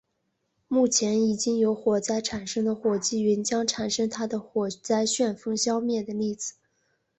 目前已经有火灾产生的火积云将产生它的火灾旋风消灭的例子。